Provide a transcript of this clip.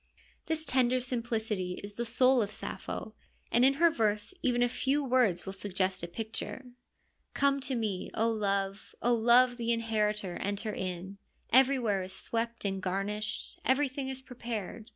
This tender simplicity is the soul of Sappho, and in her verse even a few words will suggest a picture : Come to me, O Love : O Love, the inheritor, enter in. D 42 FEMINISM IN GREEK LITERATURE Everywhere is swept and garnished, Everything is prepared.